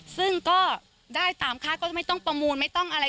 ซึ่งก็ได้ตามค่าก็ไม่ต้องประมูลไม่ต้องอะไร